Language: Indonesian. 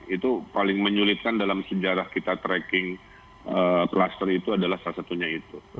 itu paling menyulitkan dalam sejarah kita tracking kluster itu adalah salah satunya itu